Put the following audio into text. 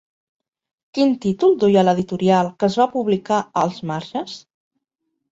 Quin títol duia l'editorial que es va publicar a Els Marges?